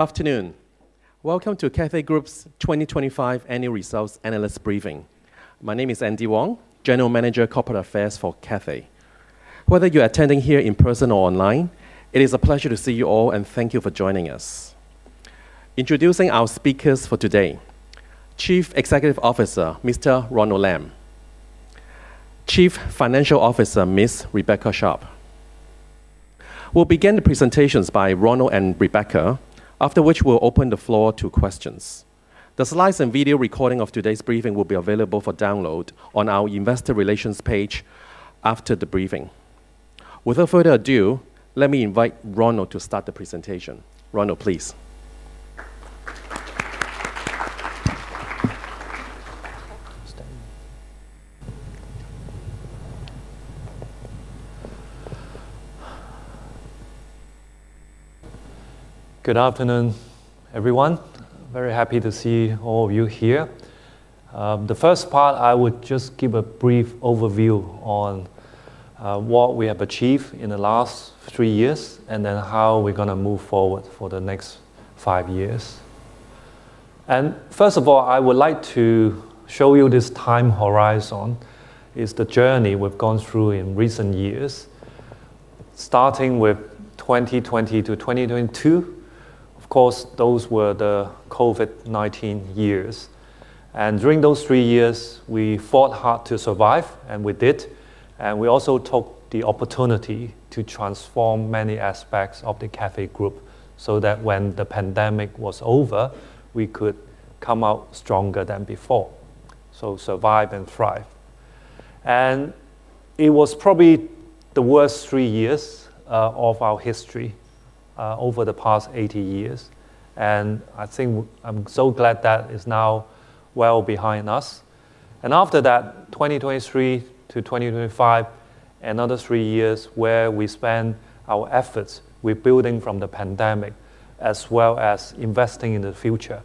asAfternoon. Welcome to Cathay Group's 2025 annual results analyst briefing. My name is Andy Wong, General Manager, Corporate Affairs for Cathay. Whether you're attending here in person or online, it is a pleasure to see you all and thank you for joining us. Introducing our speakers for today, Chief Executive Officer, Mr. Ronald Lam. Chief Financial Officer, Ms. Rebecca Sharpe. We'll begin the presentations by Ronald and Rebecca, after which we'll open the floor to questions. The slides and video recording of today's briefing will be available for download on our investor relations page after the briefing. Without further ado, let me invite Ronald to start the presentation. Ronald, please. Good afternoon, everyone. Very happy to see all of you here. The first part, I would just give a brief overview on what we have achieved in the last three years and then how we're gonna move forward for the next five years. First of all, I would like to show you this time horizon is the journey we've gone through in recent years, starting with 2020-2022. Of course, those were the COVID-19 years. During those three years, we fought hard to survive, and we did. We also took the opportunity to transform many aspects of the Cathay Group so that when the pandemic was over, we could come out stronger than before. Survive and thrive. It was probably the worst three years of our history over the past eighty years. I think I'm so glad that is now well behind us. After that, 2023 to 2025, another three years where we spend our efforts rebuilding from the pandemic as well as investing in the future.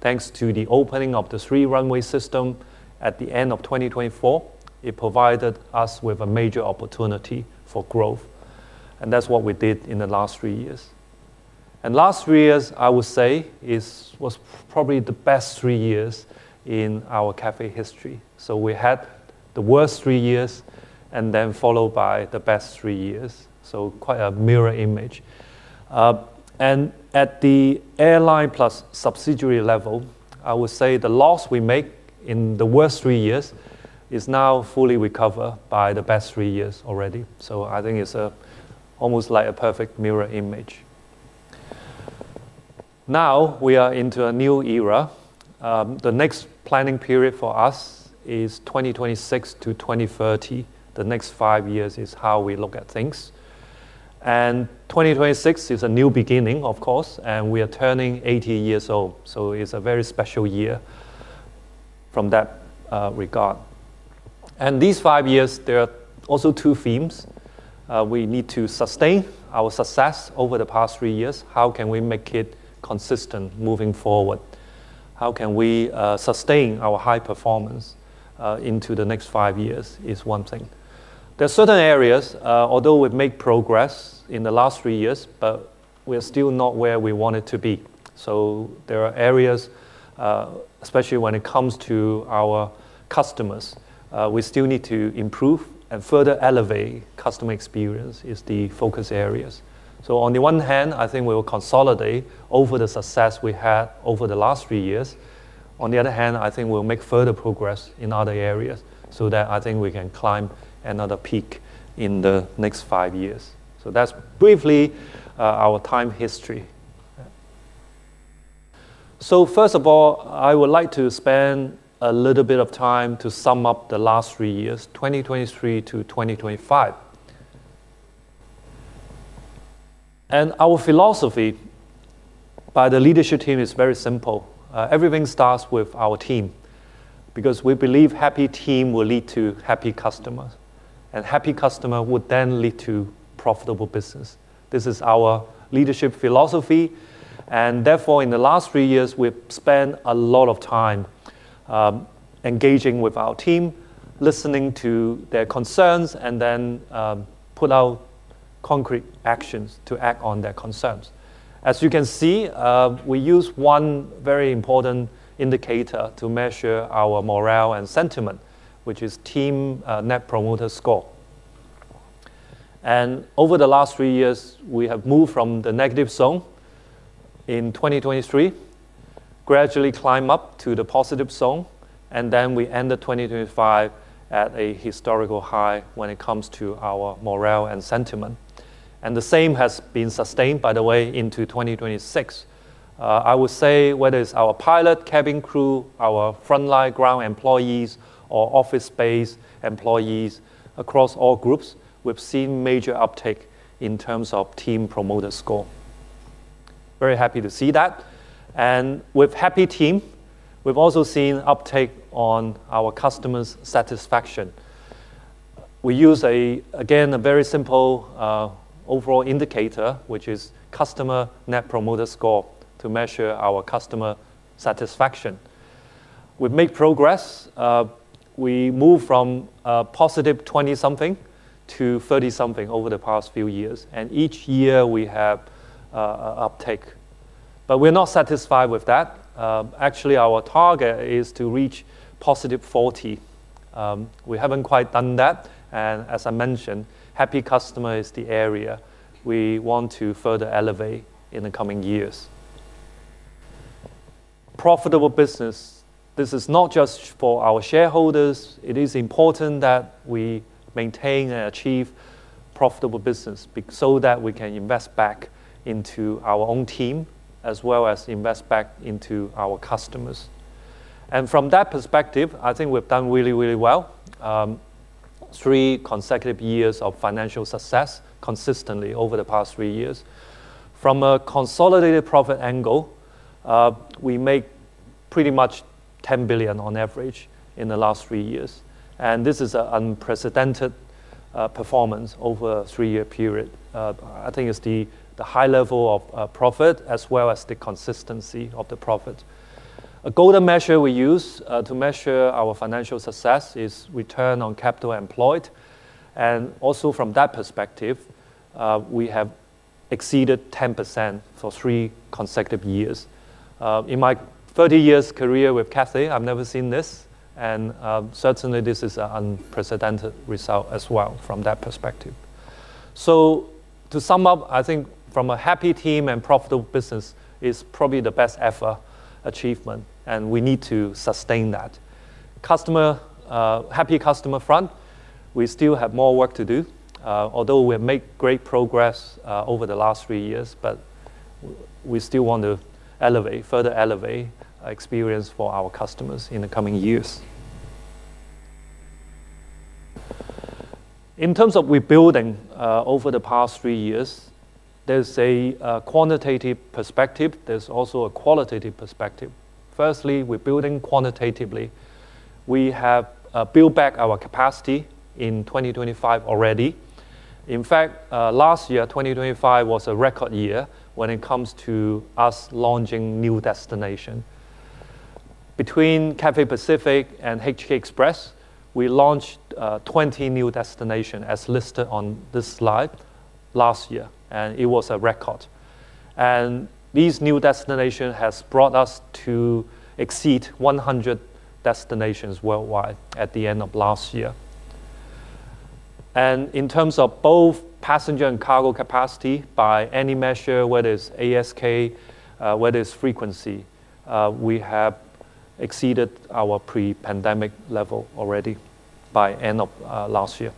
Thanks to the opening of the Three-Runway System at the end of 2024, it provided us with a major opportunity for growth, and that's what we did in the last three years. Last three years, I would say, was probably the best three years in our Cathay history. We had the worst three years and then followed by the best three years. Quite a mirror image. And at the airline plus subsidiary level, I would say the loss we make in the worst three years is now fully recovered by the best three years already. I think it's almost like a perfect mirror image. Now, we are into a new era. The next planning period for us is 2026 to 2030. The next five years is how we look at things. 2026 is a new beginning, of course, and we are turning 80 years old, so it's a very special year from that regard. These five years, there are also two themes. We need to sustain our success over the past three years. How can we make it consistent moving forward? How can we sustain our high performance into the next five years is one thing. There are certain areas, although we've made progress in the last three years, but we're still not where we wanted to be. There are areas, especially when it comes to our customers, we still need to improve and further elevate customer experience is the focus areas. On the one hand, I think we will consolidate over the success we had over the last three years. On the other hand, I think we'll make further progress in other areas so that I think we can climb another peak in the next five years. That's briefly, our time history. First of all, I would like to spend a little bit of time to sum up the last three years, 2023 to 2025. Our philosophy by the leadership team is very simple. Everything starts with our team because we believe happy team will lead to happy customer, and happy customer would then lead to profitable business. This is our leadership philosophy, and therefore, in the last three years, we've spent a lot of time engaging with our team, listening to their concerns, and then put out concrete actions to act on their concerns. As you can see, we use one very important indicator to measure our morale and sentiment, which is team Net Promoter Score. Over the last three years, we have moved from the negative zone in 2023, gradually climb up to the positive zone, and then we ended 2025 at a historical high when it comes to our morale and sentiment. The same has been sustained, by the way, into 2026. I would say whether it's our pilot, cabin crew, our frontline ground employees, or office-based employees across all groups, we've seen major uptake in terms of team Net Promoter Score. Very happy to see that. With happy team, we've also seen uptake on our customers' satisfaction. We use, again, a very simple overall indicator, which is customer Net Promoter Score, to measure our customer satisfaction. We've made progress. We moved from +20-something to 30-something over the past few years, and each year we have uptake. We're not satisfied with that. Actually, our target is to reach +40. We haven't quite done that, and as I mentioned, happy customer is the area we want to further elevate in the coming years. Profitable business. This is not just for our shareholders. It is important that we maintain and achieve profitable business so that we can invest back into our own team as well as invest back into our customers. I think we've done really, really well, three consecutive years of financial success consistently over the past three years. From a consolidated profit angle, we make pretty much 10 billion on average in the last three years, and this is an unprecedented performance over a three-year period. I think it's the high level of profit as well as the consistency of the profit. A golden measure we use to measure our financial success is Return on Capital Employed, and also from that perspective, we have exceeded 10% for three consecutive years. In my 30-year career with Cathay, I've never seen this and, certainly this is an unprecedented result as well from that perspective. To sum up, I think from a happy team and profitable business is probably the best ever achievement, and we need to sustain that. Customer happy customer front, we still have more work to do, although we've made great progress over the last three years, but we still want to elevate, further elevate experience for our customers in the coming years. In terms of rebuilding over the past three years, there's a quantitative perspective, there's also a qualitative perspective. Firstly, rebuilding quantitatively. We have built back our capacity in 2025 already. In fact, last year, 2025, was a record year when it comes to us launching new destination. Between Cathay Pacific and HK Express, we launched 20 new destinations as listed on this slide last year, and it was a record. These new destination has brought us to exceed 100 destinations worldwide at the end of last year. In terms of both passenger and cargo capacity by any measure, whether it's ASK, whether it's frequency, we have exceeded our pre-pandemic level already by end of last year.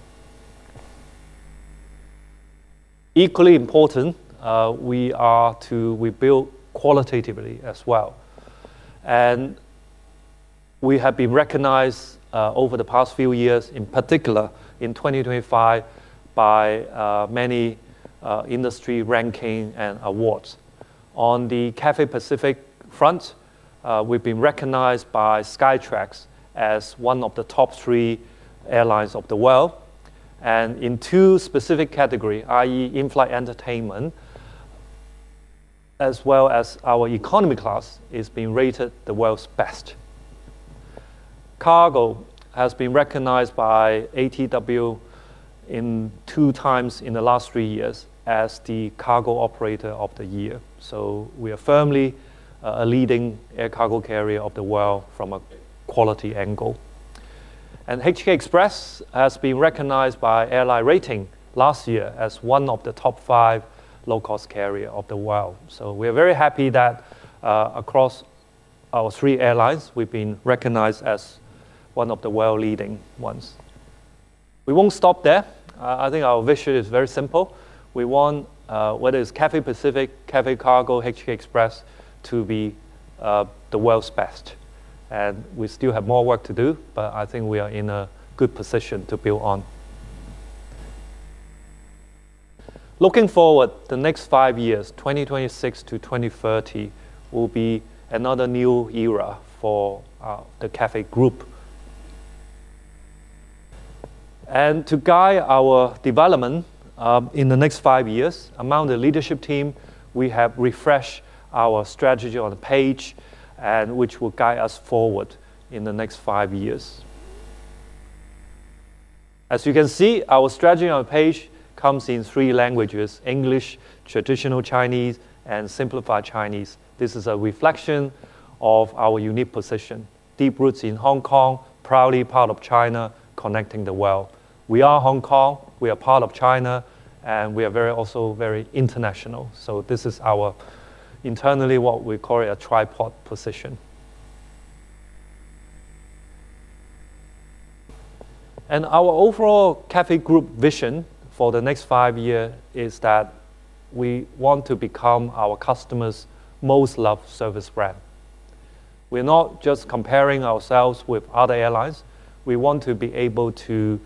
Equally important, we are to rebuild qualitatively as well, and we have been recognized over the past few years, in particular in 2025, by many industry ranking and awards. On the Cathay Pacific front, we've been recognized by Skytrax as one of the top three airlines of the world, and in two specific category, i.e. in-flight entertainment, as well as our economy class is being rated the world's best. Cargo has been recognized by ATW in two times in the last three years as the cargo operator of the year. We are firmly a leading air cargo carrier of the world from a quality angle. HK Express has been recognized by AirlineRatings last year as one of the top five low-cost carrier of the world. We're very happy that across our three airlines, we've been recognized as one of the world-leading ones. We won't stop there. I think our vision is very simple. We want whether it's Cathay Pacific, Cathay Cargo, HK Express, to be the world's best, and we still have more work to do, but I think we are in a good position to build on. Looking forward, the next five years, 2026 to 2030, will be another new era for the Cathay Group. To guide our development in the next five years, among the leadership team, we have refreshed our strategy on a page, and which will guide us forward in the next five years. As you can see, our strategy on a page comes in three languages: English, Traditional Chinese, and Simplified Chinese. This is a reflection of our unique position. Deep roots in Hong Kong, proudly part of China, connecting the world. We are Hong Kong, we are part of China, and we are very, also very international. So this is our internally, what we call a tripod position. Our overall Cathay Group vision for the next five year is that we want to become our customers' most loved service brand. We're not just comparing ourselves with other airlines. We want to be able to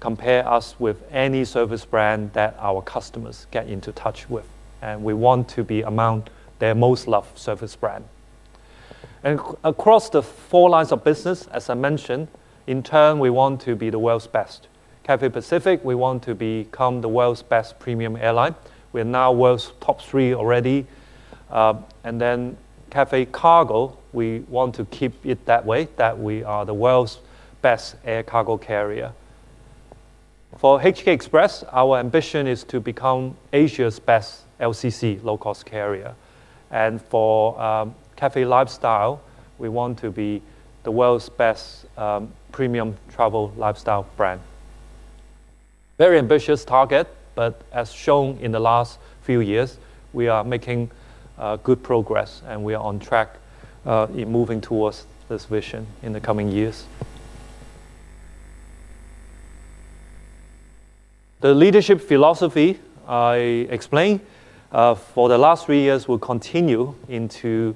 compare us with any service brand that our customers get into touch with, and we want to be among their most loved service brand. Across the four lines of business, as I mentioned, in turn, we want to be the world's best. Cathay Pacific, we want to become the world's best premium airline. We are now world's top three already. Cathay Cargo, we want to keep it that way, that we are the world's best air cargo carrier. For HK Express, our ambition is to become Asia's best LCC, low cost carrier. For Cathay Lifestyle, we want to be the world's best premium travel lifestyle brand. Very ambitious target, but as shown in the last few years, we are making good progress, and we are on track in moving towards this vision in the coming years. The leadership philosophy I explained for the last three years will continue into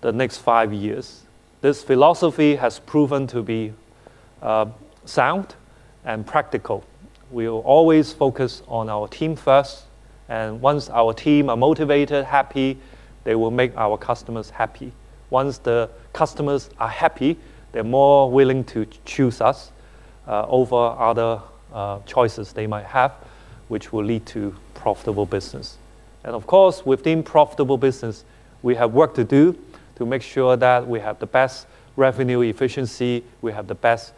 the next five years. This philosophy has proven to be sound and practical. We will always focus on our team first, and once our team are motivated, happy, they will make our customers happy. Once the customers are happy, they're more willing to choose us over other choices they might have, which will lead to profitable business. Of course, within profitable business, we have work to do to make sure that we have the best revenue efficiency, we have the best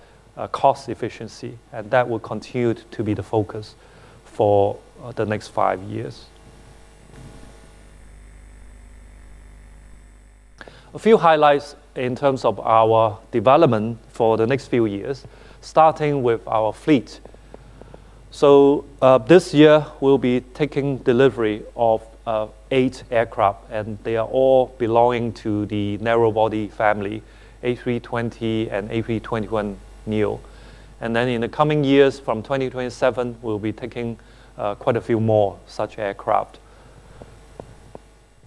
cost efficiency, and that will continue to be the focus for the next five years. A few highlights in terms of our development for the next few years, starting with our fleet. This year we'll be taking delivery of eight aircraft, and they are all belonging to the narrow body family, A320 and A321neo. In the coming years, from 2027, we'll be taking quite a few more such aircraft.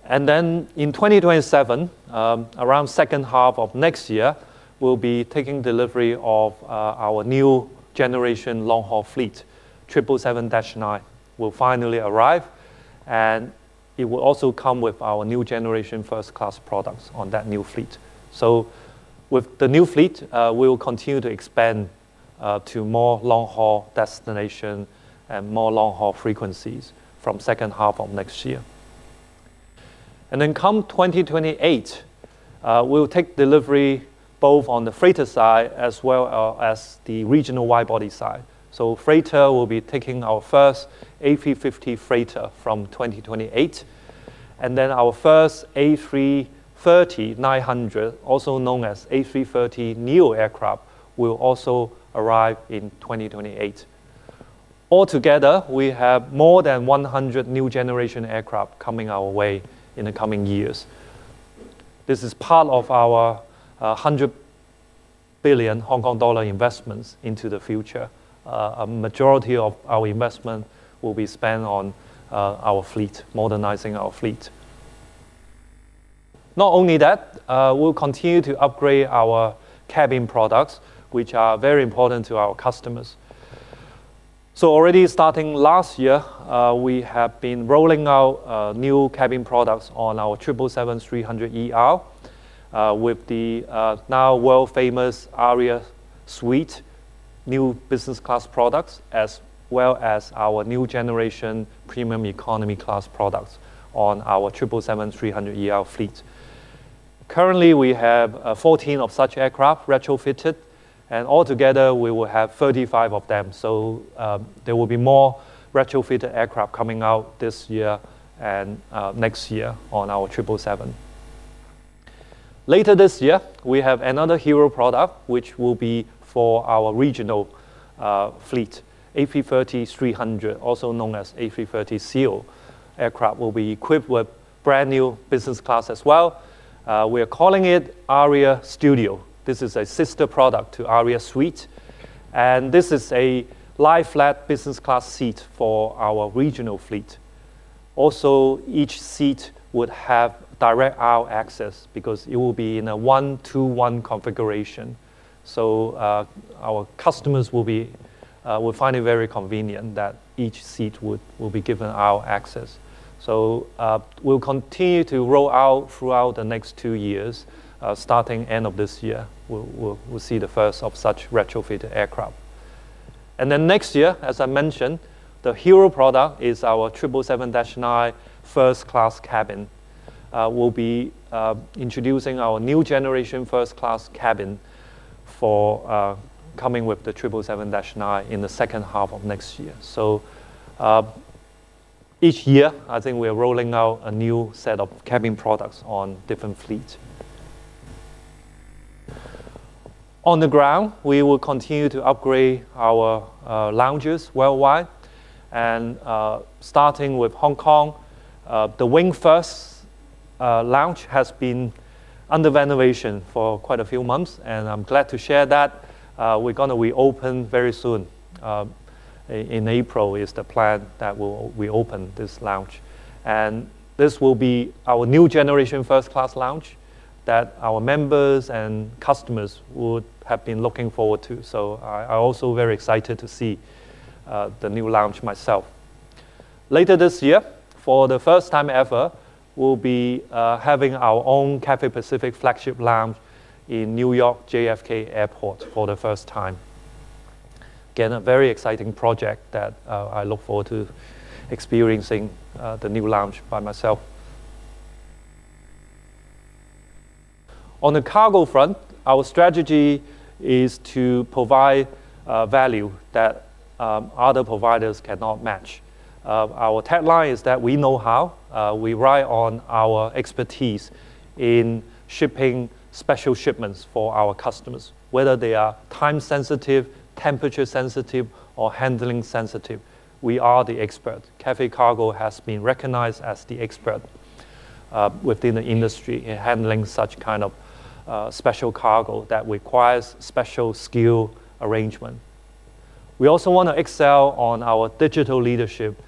In 2027, around second half of next year, we'll be taking delivery of our new generation long-haul fleet. 777-9 will finally arrive, and it will also come with our new generation first class products on that new fleet. With the new fleet, we will continue to expand to more long-haul destination and more long-haul frequencies from second half of next year. Come 2028, we'll take delivery both on the freighter side as well as the regional wide body side. Freighter, we'll be taking our first A350 freighter from 2028, and then our first A330-900, also known as A330neo aircraft, will also arrive in 2028. Altogether, we have more than 100 new generation aircraft coming our way in the coming years. This is part of our 100 billion Hong Kong dollar investments into the future. A majority of our investment will be spent on our fleet, modernizing our fleet. Not only that, we'll continue to upgrade our cabin products, which are very important to our customers. Already starting last year, we have been rolling out new cabin products on our 777-300ER with the now world-famous Aria Suite, new business class products, as well as our new generation premium economy class products on our 777-300ER fleet. Currently, we have 14 of such aircraft retrofitted, and altogether we will have 35 of them. There will be more retrofitted aircraft coming out this year and next year on our 777. Later this year, we have another hero product, which will be for our regional fleet, A330-300, also known as A330ceo aircraft, will be equipped with brand-new business class as well. We're calling it Aria Studio. This is a sister product to Aria Suite, and this is a lie-flat business class seat for our regional fleet. Also, each seat would have direct aisle access because it will be in a 1-2-1 configuration. Our customers will find it very convenient that each seat will be given aisle access. We'll continue to roll out throughout the next two years, starting end of this year. We'll see the first of such retrofitted aircraft. Next year, as I mentioned, the hero product is our 777-9 first class cabin. We'll be introducing our new generation first class cabin for coming with the 777-9 in the second half of next year. Each year, I think we're rolling out a new set of cabin products on different fleet. On the ground, we will continue to upgrade our lounges worldwide, and starting with Hong Kong, the Wing, First Lounge has been under renovation for quite a few months, and I'm glad to share that, we're gonna reopen very soon. In April is the plan that we'll reopen this lounge. This will be our new generation first class lounge that our members and customers would have been looking forward to. I also very excited to see the new lounge myself. Later this year, for the first time ever, we'll be having our own Cathay Pacific flagship lounge in New York JFK Airport for the first time. Again, a very exciting project that I look forward to experiencing the new lounge by myself. On the cargo front, our strategy is to provide value that other providers cannot match. Our tagline is that we know how. We ride on our expertise in shipping special shipments for our customers, whether they are time sensitive, temperature sensitive, or handling sensitive, we are the expert. Cathay Cargo has been recognized as the expert within the industry in handling such special cargo that requires special skill arrangement. We also want to excel on our digital leadership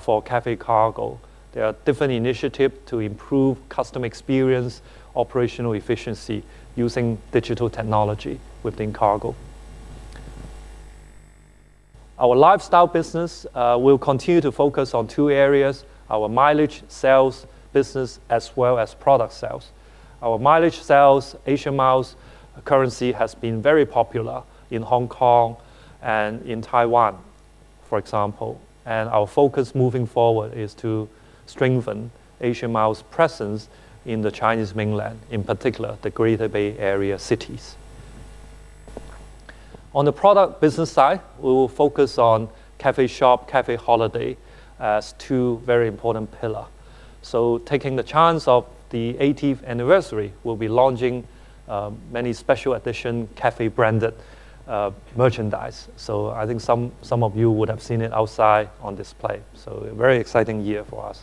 for Cathay Cargo. There are different initiatives to improve customer experience, operational efficiency using digital technology within cargo. Our lifestyle business will continue to focus on two areas, our mileage sales business as well as product sales. Our mileage sales, Asia Miles currency has been very popular in Hong Kong and in Taiwan, for example. Our focus moving forward is to strengthen Asia Miles presence in the Chinese mainland, in particular, the Greater Bay Area cities. On the product business side, we will focus on Cathay Shop, Cathay Holidays as two very important pillars. Taking the chance of the eightieth anniversary, we'll be launching many special edition Cathay branded merchandise. I think some of you would have seen it outside on display. A very exciting year for us.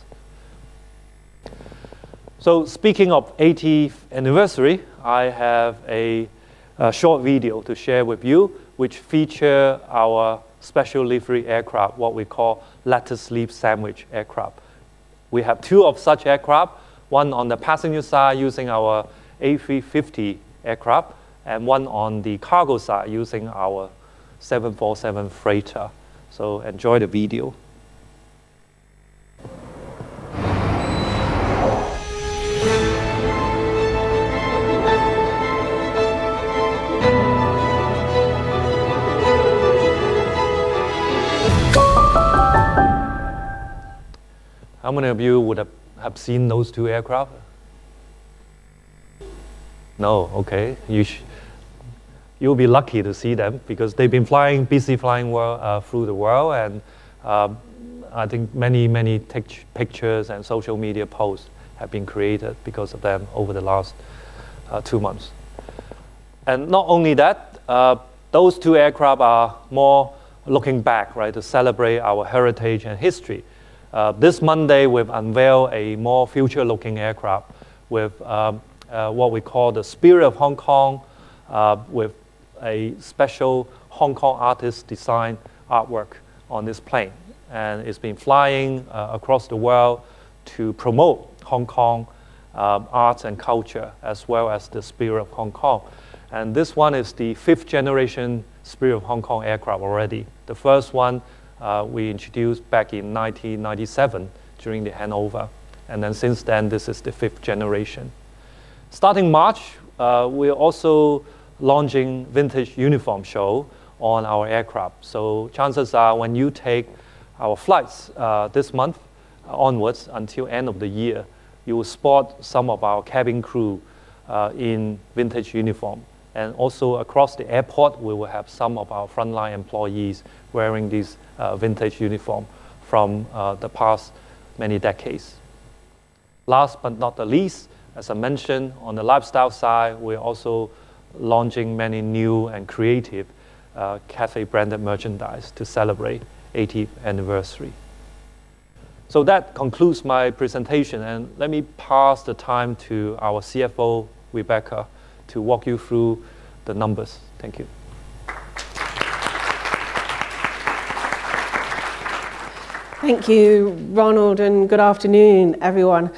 Speaking of eightieth anniversary, I have a short video to share with you which feature our special livery aircraft, what we call lettuce leaf sandwich aircraft. We have two of such aircraft, one on the passenger side using our A350 aircraft and one on the cargo side using our 747 freighter. Enjoy the video. How many of you would have seen those two aircraft? No? Okay. You'll be lucky to see them because they've been flying, busy flying through the world and I think many pictures and social media posts have been created because of them over the last two months. Not only that, those two aircraft are more looking back, right, to celebrate our heritage and history. This Monday, we've unveiled a more future-looking aircraft with what we call the Spirit of Hong Kong, with a special Hong Kong artist design artwork on this plane. It's been flying across the world to promote Hong Kong arts and culture, as well as the Spirit of Hong Kong. This one is the fifth generation Spirit of Hong Kong aircraft already. The first one we introduced back in 1997 during the handover. Since then, this is the fifth generation. Starting March, we're also launching vintage uniform show on our aircraft. Chances are when you take our flights this month onwards until end of the year, you will spot some of our cabin crew in vintage uniform. Also across the airport, we will have some of our frontline employees wearing these vintage uniform from the past many decades. Last but not the least, as I mentioned, on the lifestyle side, we're also launching many new and creative Cathay branded merchandise to celebrate 80th anniversary. That concludes my presentation, and let me pass the time to our CFO, Rebecca, to walk you through the numbers. Thank you. Thank you, Ronald, and good afternoon, everyone.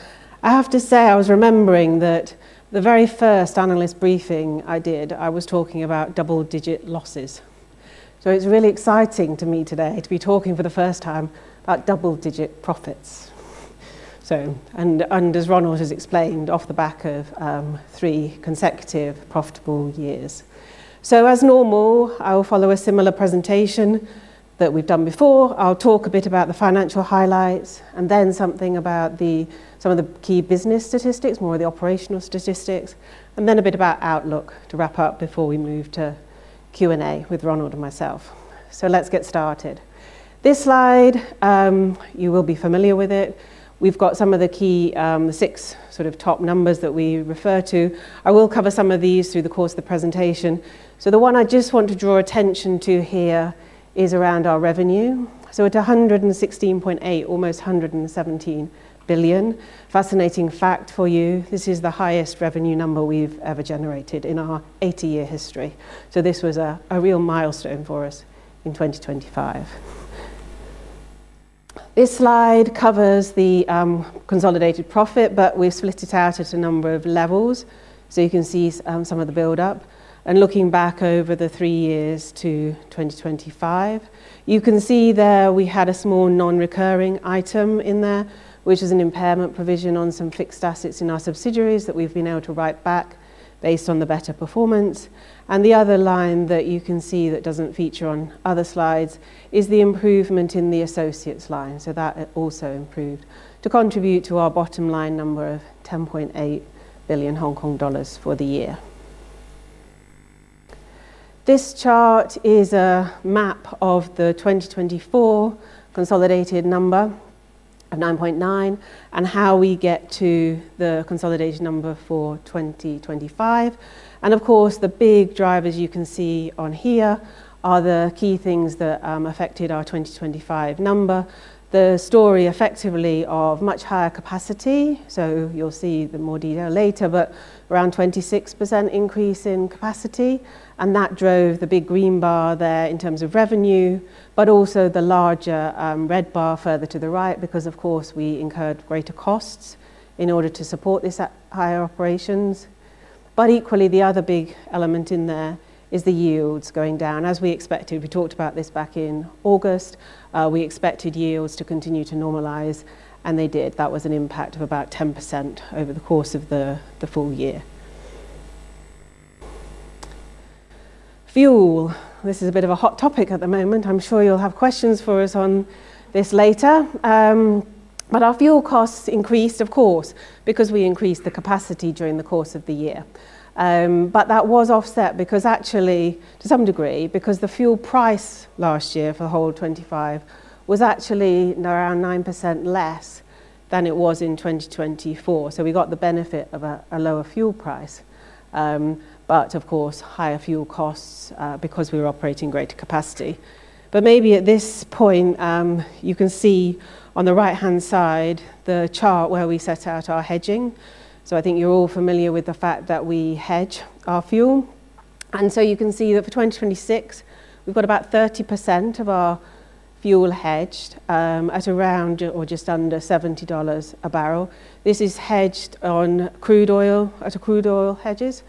I have to say, I was remembering that the very first analyst briefing I did, I was talking about double-digit losses. It's really exciting to me today to be talking for the first time about double-digit profits. As Ronald has explained, off the back of three consecutive profitable years. As normal, I will follow a similar presentation that we've done before. I'll talk a bit about the financial highlights and then something about the, some of the key business statistics, more of the operational statistics, and then a bit about outlook to wrap up before we move to Q&A with Ronald and myself. Let's get started. This slide, you will be familiar with it. We've got some of the key, six top numbers that we refer to. I will cover some of these through the course of the presentation. The one I just want to draw attention to here is around our revenue. At 116.8 billion, almost 117 billion. Fascinating fact for you, this is the highest revenue number we've ever generated in our 80-year history. This was a real milestone for us in 2025. This slide covers the consolidated profit, but we've split it out at a number of levels, so you can see some of the build-up. Looking back over the three years to 2025, you can see there we had a small non-recurring item in there, which is an impairment provision on some fixed assets in our subsidiaries that we've been able to write back based on the better performance. The other line that you can see that doesn't feature on other slides is the improvement in the associates line. That also improved to contribute to our bottom line number of 10.8 billion Hong Kong dollars for the year. This chart is a map of the 2024 consolidated number of 9.9 billion and how we get to the consolidated number for 2025. Of course, the big drivers you can see on here are the key things that affected our 2025 number. The story effectively of much higher capacity. You'll see the more detail later, but around 26% increase in capacity, and that drove the big green bar there in terms of revenue, but also the larger, red bar further to the right because of course we incurred greater costs in order to support this at higher operations. Equally, the other big element in there is the yields going down as we expected. We talked about this back in August. We expected yields to continue to normalize, and they did. That was an impact of about 10% over the course of the full year. Fuel. This is a bit of a hot topic at the moment. I'm sure you'll have questions for us on this later. Our fuel costs increased, of course, because we increased the capacity during the course of the year. That was offset because actually, to some degree, because the fuel price last year for the whole 2025 was actually around 9% less than it was in 2024. We got the benefit of a lower fuel price. Of course, higher fuel costs, because we were operating greater capacity. Maybe at this point, you can see on the right-hand side the chart where we set out our hedging. I think you're all familiar with the fact that we hedge our fuel. You can see that for 2026, we've got about 30% of our fuel hedged, at around or just under $70 a barrel. This is hedged on crude oil hedges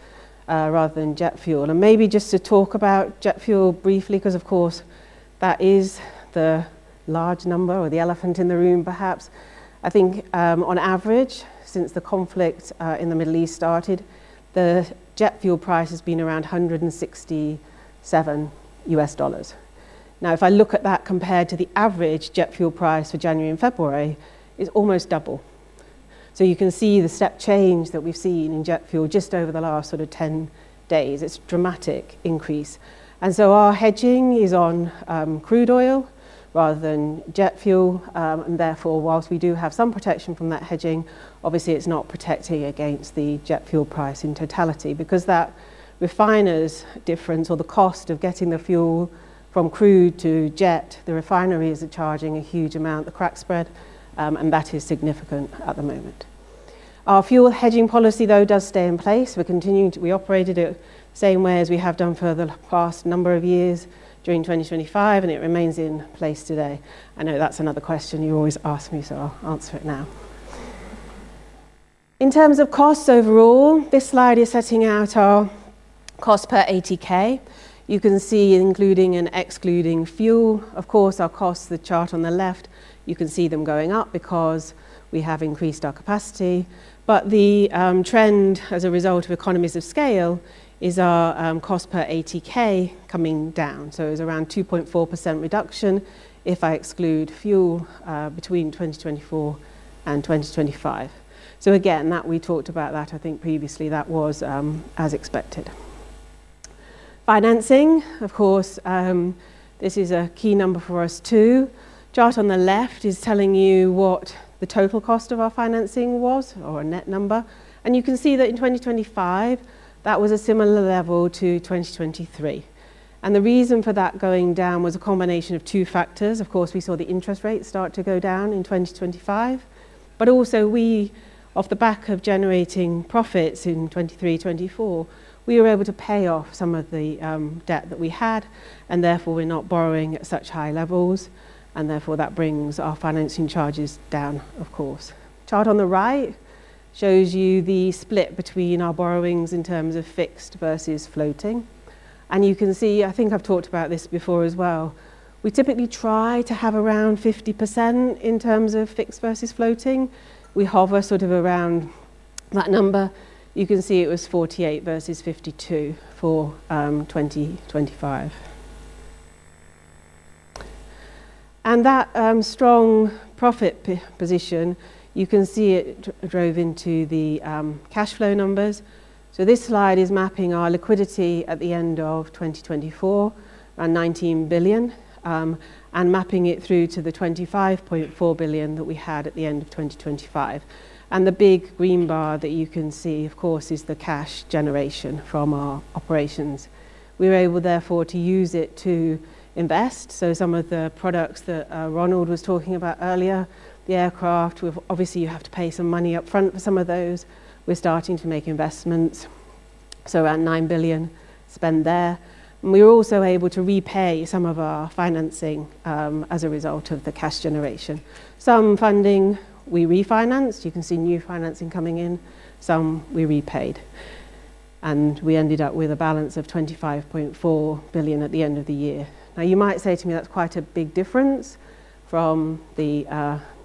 rather than jet fuel. Maybe just to talk about jet fuel briefly, 'cause of course that is the large number or the elephant in the room perhaps. I think, on average, since the conflict in the Middle East started, the jet fuel price has been around $167. Now, if I look at that compared to the average jet fuel price for January and February, it's almost double. You can see the step change that we've seen in jet fuel just over the last 10 days. It's dramatic increase. Our hedging is on crude oil rather than jet fuel. Therefore, while we do have some protection from that hedging, obviously it's not protecting against the jet fuel price in totality because that refiners difference or the cost of getting the fuel from crude to jet, the refineries are charging a huge amount, the crack spread, and that is significant at the moment. Our fuel hedging policy though does stay in place. We operated it same way as we have done for the past number of years during 2025, and it remains in place today. I know that's another question you always ask me, so I'll answer it now. In terms of costs overall, this slide is setting out our cost per ATK. You can see, including and excluding fuel, of course, our costs. The chart on the left, you can see them going up because we have increased our capacity. The trend as a result of economies of scale is our cost per ATK coming down. It's around 2.4% reduction if I exclude fuel between 2024 and 2025. Again, that we talked about that I think previously. That was as expected. Financing, of course, this is a key number for us, too. The chart on the left is telling you what the total cost of our financing was or net number. You can see that in 2025, that was a similar level to 2023. The reason for that going down was a combination of two factors. Of course, we saw the interest rates start to go down in 2025, but also we, off the back of generating profits in 2023, 2024, we were able to pay off some of the debt that we had, and therefore we're not borrowing at such high levels, and therefore that brings our financing charges down, of course. Chart on the right shows you the split between our borrowings in terms of fixed versus floating. You can see, I think I've talked about this before as well. We typically try to have around 50% in terms of fixed versus floating. We hover around that number. You can see it was 48 versus 52 for 2025. That strong profit position, you can see it drove into the cash flow numbers. This slide is mapping our liquidity at the end of 2024 and 19 billion, and mapping it through to the 25.4 billion that we had at the end of 2025. The big green bar that you can see, of course, is the cash generation from our operations. We were able therefore to use it to invest. Some of the products that Ronald Lam was talking about earlier, the aircraft, obviously you have to pay some money up front for some of those. We're starting to make investments. Around 9 billion spend there. We were also able to repay some of our financing, as a result of the cash generation. Some funding we refinanced. You can see new financing coming in, some we repaid. We ended up with a balance of 25.4 billion at the end of the year. Now, you might say to me, that's quite a big difference from the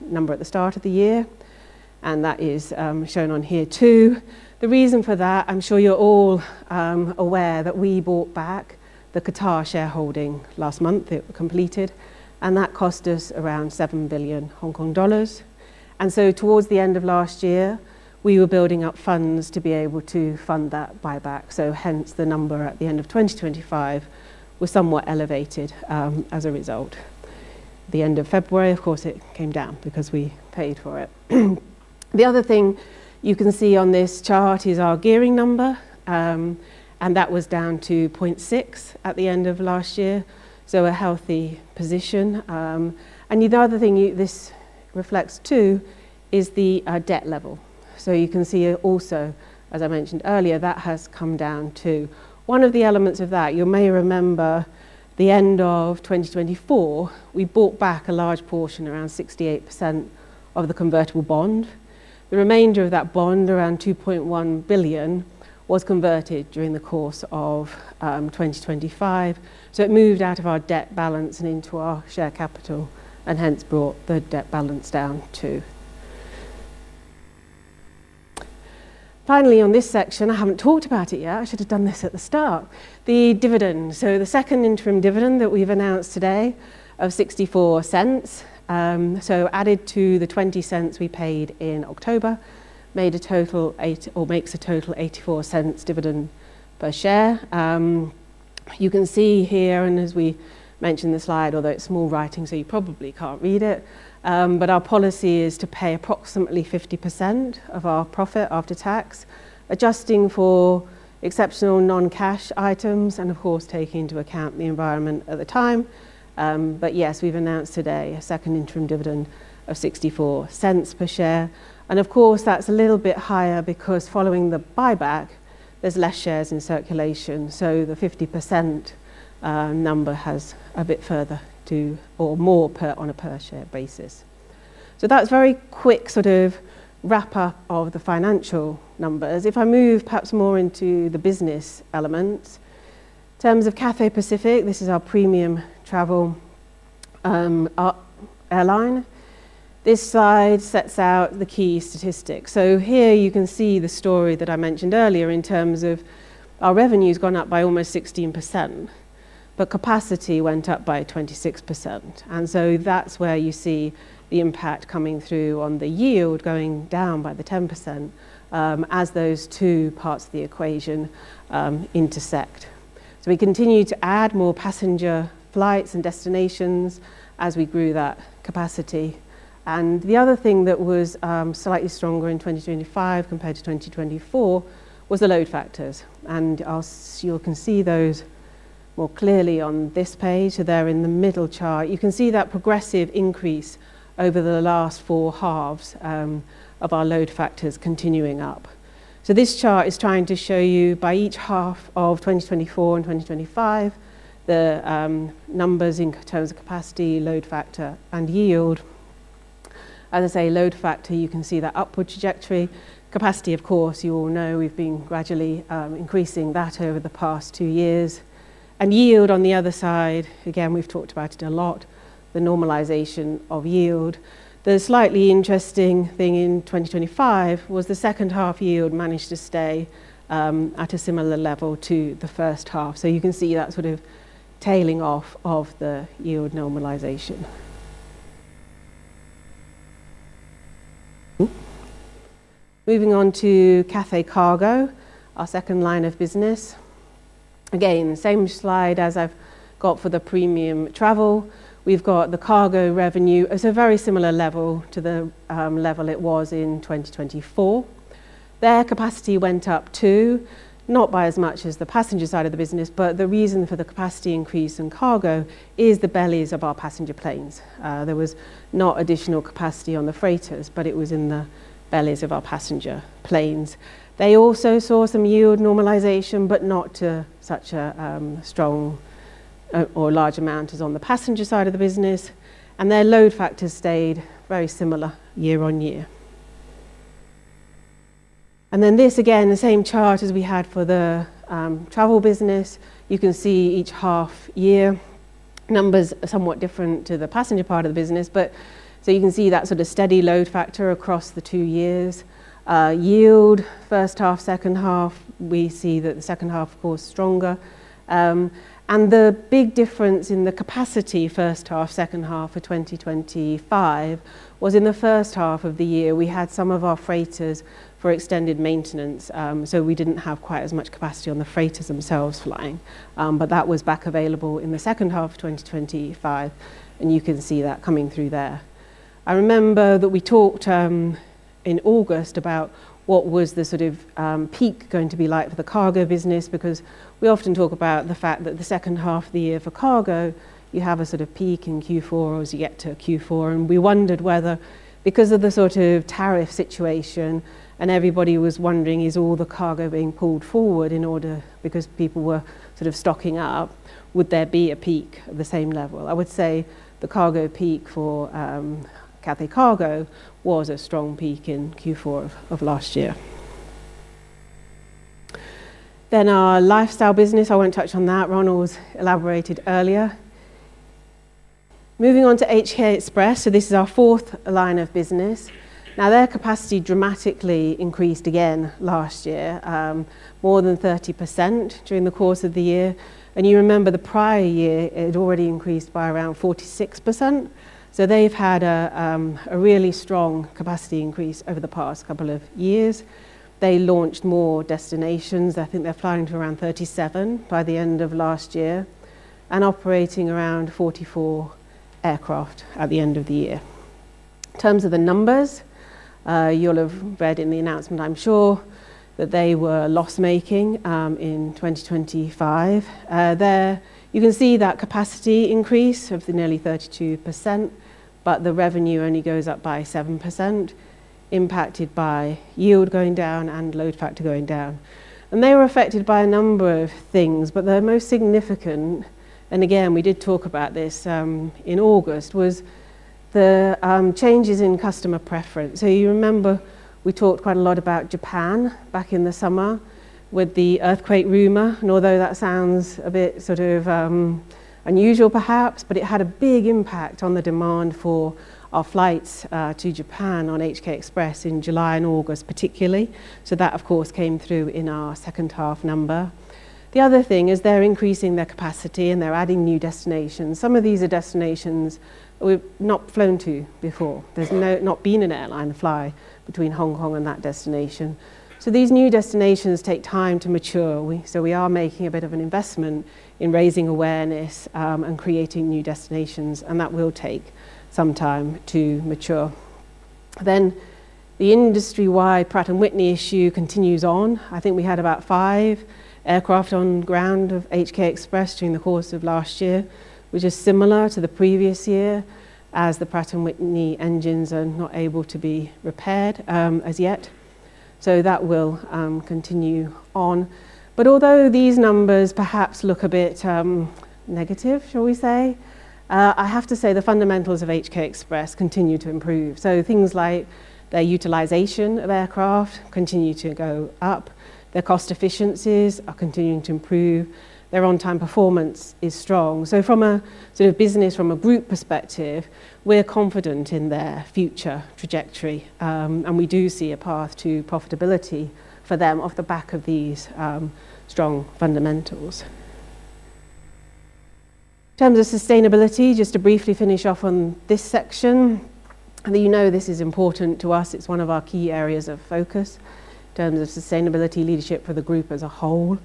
number at the start of the year, and that is shown on here too. The reason for that, I'm sure you're all aware that we bought back the Qatar Airways shareholding last month. It completed, and that cost us around 7 billion Hong Kong dollars. Towards the end of last year, we were building up funds to be able to fund that buyback. Hence the number at the end of 2025 was somewhat elevated as a result. The end of February, of course, it came down because we paid for it. The other thing you can see on this chart is our gearing number, and that was down to 0.6 at the end of last year. A healthy position. The other thing this reflects too is the debt level. You can see also as I mentioned earlier, that has come down too. One of the elements of that, you may remember the end of 2024, we bought back a large portion, around 68% of the convertible bond. The remainder of that bond, around 2.1 billion, was converted during the course of 2025. It moved out of our debt balance and into our share capital and hence brought the debt balance down too. Finally, on this section, I haven't talked about it yet. I should have done this at the start. The dividend. The second interim dividend that we've announced today of 0.64, added to the 0.20 we paid in October, makes a total 0.84 dividend per share. You can see here and as we mentioned in the slide, although it's small writing, so you probably can't read it, but our policy is to pay approximately 50% of our profit after tax, adjusting for exceptional non-cash items and of course taking into account the environment at the time. Yes, we've announced today a second interim dividend of 0.64 per share. Of course that's a little bit higher because following the buyback there's less shares in circulation. The 50%, number has a bit further to or more per on a per share basis. That's a very quick wrap-up of the financial numbers. If I move perhaps more into the business elements. In terms of Cathay Pacific, this is our premium travel airline. This slide sets out the key statistics. Here you can see the story that I mentioned earlier in terms of our revenue's gone up by almost 16%, but capacity went up by 26%. That's where you see the impact coming through on the yield going down by the 10%, as those two parts of the equation intersect. We continue to add more passenger flights and destinations as we grew that capacity. The other thing that was slightly stronger in 2025 compared to 2024 was the load factors. As you can see those more clearly on this page. There in the middle chart. You can see that progressive increase over the last four halves of our load factors continuing up. This chart is trying to show you by each half of 2024 and 2025, the numbers in terms of capacity, load factor and yield. As I say load factor, you can see that upward trajectory. Capacity of course, you all know we've been gradually increasing that over the past two years. And yield on the other side, again, we've talked about it a lot, the normalization of yield. The slightly interesting thing in 2025 was the second half yield managed to stay at a similar level to the first half. You can see that tailing off of the yield normalization. Moving on to Cathay Cargo, our second line of business. Again, same slide as I've got for the premium travel. We've got the cargo revenue at a very similar level to the level it was in 2024. Their capacity went up too, not by as much as the passenger side of the business, but the reason for the capacity increase in cargo is the bellies of our passenger planes. There was not additional capacity on the freighters, but it was in the bellies of our passenger planes. They also saw some yield normalization, but not to such a strong or large amount as on the passenger side of the business. Their load factors stayed very similar year on year. Then this again, the same chart as we had for the travel business. You can see each half year numbers are somewhat different to the passenger part of the business. You can see that steady load factor across the two years. Yield first half, second half, we see that the second half, of course, stronger. The big difference in the capacity first half, second half for 2025 was in the first half of the year we had some of our freighters for extended maintenance. We didn't have quite as much capacity on the freighters themselves flying. That was back available in the second half of 2025, and you can see that coming through there. I remember that we talked in August about what was the peak going to be like for the cargo business, because we often talk about the fact that the second half of the year for cargo, you have a peak in Q4 as you get to Q4. We wondered whether because of the tariff situation and everybody was wondering, is all the cargo being pulled forward in order because people were stocking up, would there be a peak of the same level? I would say the cargo peak for Cathay Cargo was a strong peak in Q4 of last year. Our lifestyle business, I won't touch on that. Ronald elaborated earlier. Moving on to HK Express. This is our fourth line of business. Now their capacity dramatically increased again last year, more than 30% during the course of the year. You remember the prior year, it already increased by around 46%. They've had a really strong capacity increase over the past couple of years. They launched more destinations. I think they're flying to around 37 by the end of last year and operating around 44 aircraft at the end of the year. In terms of the numbers, you'll have read in the announcement, I'm sure, that they were loss-making in 2025. There you can see that capacity increase of nearly 32%, but the revenue only goes up by 7%, impacted by yield going down and load factor going down. They were affected by a number of things. The most significant, and again, we did talk about this in August, was the changes in customer preference. You remember we talked quite a lot about Japan back in the summer with the earthquake rumor. Although that sounds a bit unusual perhaps, but it had a big impact on the demand for our flights to Japan on HK Express in July and August particularly. That of course came through in our second half number. The other thing is they're increasing their capacity, and they're adding new destinations. Some of these are destinations we've not flown to before. There's not been an airline fly between Hong Kong and that destination. These new destinations take time to mature. We are making a bit of an investment in raising awareness and creating new destinations, and that will take some time to mature. The industry-wide Pratt & Whitney issue continues on. I think we had about five aircraft on ground of HK Express during the course of last year, which is similar to the previous year as the Pratt & Whitney engines are not able to be repaired as yet. That will continue on. Although these numbers perhaps look a bit negative, shall we say, I have to say the fundamentals of HK Express continue to improve. Things like their utilization of aircraft continue to go up, their cost efficiencies are continuing to improve, their on-time performance is strong. From a business, from a group perspective, we're confident in their future trajectory, and we do see a path to profitability for them off the back of these strong fundamentals. In terms of sustainability, just to briefly finish off on this section, this is important to us. It's one of our key areas of focus in terms of sustainability leadership for the group as a whole.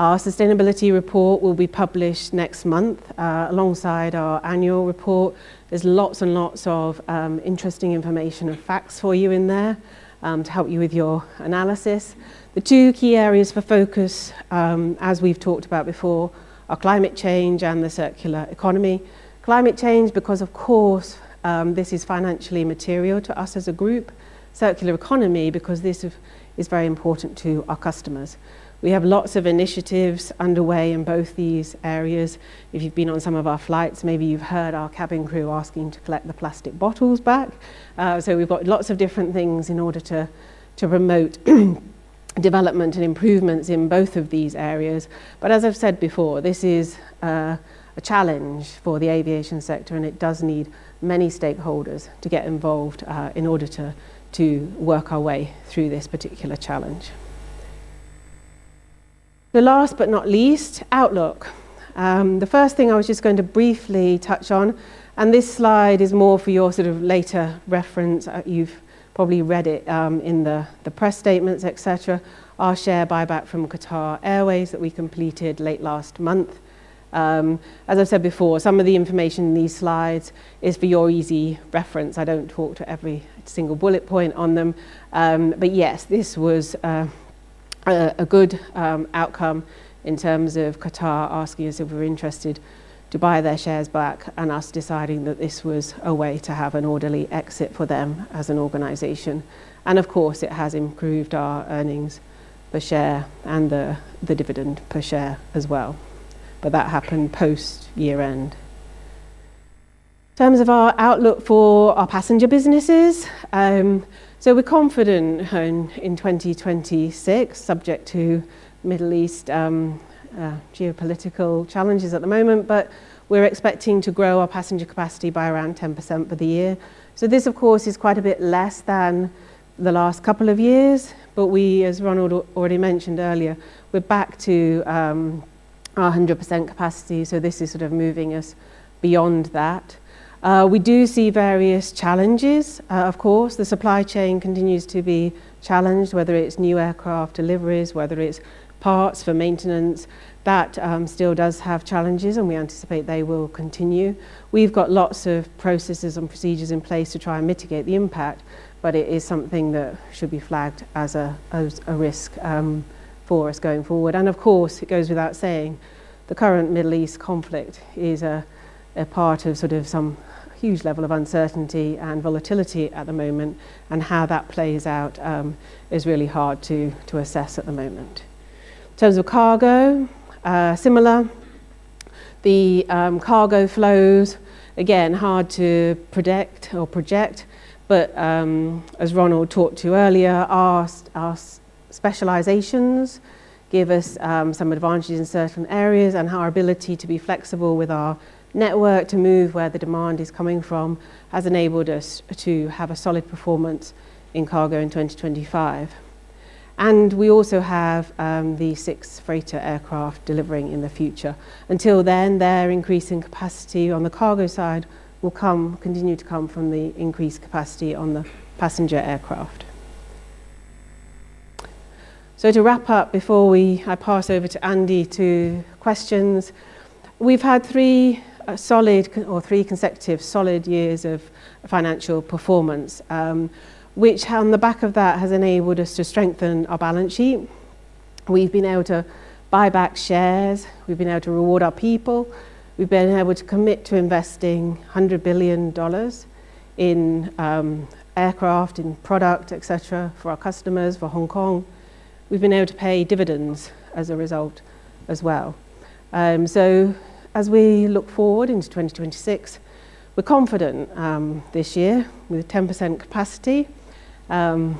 Our sustainability report will be published next month, alongside our annual report. There's lots and lots of interesting information and facts for you in there, to help you with your analysis. The two key areas for focus, as we've talked about before, are climate change and the circular economy. Climate change because of course, this is financially material to us as a group. Circular economy because this is very important to our customers. We have lots of initiatives underway in both these areas. If you've been on some of our flights, maybe you've heard our cabin crew asking to collect the plastic bottles back. We've got lots of different things in order to promote development and improvements in both of these areas. As I've said before, this is a challenge for the aviation sector, and it does need many stakeholders to get involved in order to work our way through this particular challenge. Last but not least, outlook. The first thing I was just going to briefly touch on, and this slide is more for your later reference. You've probably read it in the press statements, et cetera. Our share buyback from Qatar Airways that we completed late last month. As I said before, some of the information in these slides is for your easy reference. I don't talk to every single bullet point on them. Yes, this was a good outcome in terms of Qatar asking us if we're interested to buy their shares back and us deciding that this was a way to have an orderly exit for them as an organization. Of course, it has improved our earnings per share and the dividend per share as well. That happened post year-end. In terms of our outlook for our passenger businesses, we're confident in 2026, subject to Middle East geopolitical challenges at the moment, but we're expecting to grow our passenger capacity by around 10% for the year. This of course is quite a bit less than the last couple of years. We, as Ronald already mentioned earlier, we're back to our 100% capacity. This is moving us beyond that. We do see various challenges. Of course, the supply chain continues to be challenged, whether it's new aircraft deliveries, whether it's parts for maintenance. That still does have challenges, and we anticipate they will continue. We've got lots of processes and procedures in place to try and mitigate the impact, but it is something that should be flagged as a risk for us going forward. Of course, it goes without saying, the current Middle East conflict is a part of some huge level of uncertainty and volatility at the moment, and how that plays out is really hard to assess at the moment. In terms of cargo, similar. The cargo flows, again, hard to predict or project. As Ronald talked about earlier, our specializations give us some advantages in certain areas, and our ability to be flexible with our network to move where the demand is coming from has enabled us to have a solid performance in cargo in 2025. We also have the six freighter aircraft delivering in the future. Until then, the increase in capacity on the cargo side will continue to come from the increased capacity on the passenger aircraft. To wrap up, before I pass over to Andy for questions. We've had three consecutive solid years of financial performance, which on the back of that has enabled us to strengthen our balance sheet. We've been able to buy back shares. We've been able to reward our people. We've been able to commit to investing 100 billion dollars in aircraft and product, et cetera, for our customers, for Hong Kong. We've been able to pay dividends as a result as well. As we look forward into 2026, we're confident this year with 10% capacity. I'm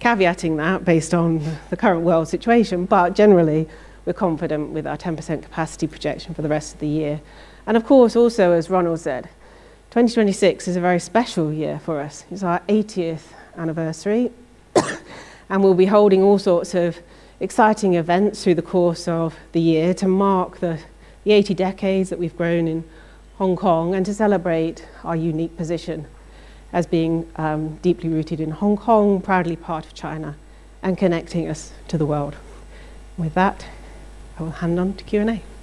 caveating that based on the current world situation, but generally we're confident with our 10% capacity projection for the rest of the year. Of course, also, as Ronald said, 2026 is a very special year for us. It's our 80th anniversary, and we'll be holding all sorts of exciting events through the course of the year to mark the eight decades that we've grown in Hong Kong and to celebrate our unique position as being deeply rooted in Hong Kong, proudly part of China, and connecting us to the world. With that, I will hand over to Q&A.